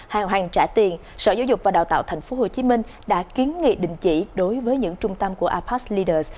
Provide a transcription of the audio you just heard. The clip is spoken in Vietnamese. hàng hàng trả tiền sở giáo dục và đào tạo tp hcm đã kiến nghị định chỉ đối với những trung tâm của apas leaders